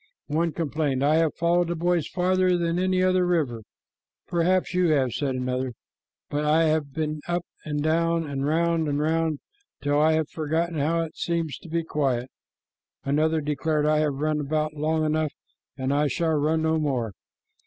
One complained, "I have followed the boys farther than any other river." "Perhaps you have," said another, "but I have been up and down and round and round till I have forgotten how it seems to be quiet." Another declared, "I have run about long enough, and I shall run no more."